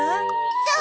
そう。